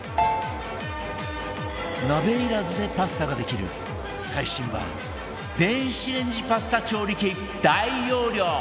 鍋いらずでパスタができる最新版電子レンジパスタ調理器